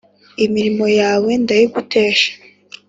imirimo yawe ndayigutesha